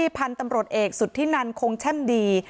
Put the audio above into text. ที่พันธุ์ตำรวจเอกสุดที่นั้นคงแช่มดี